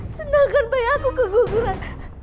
senangkan bayi aku keguguran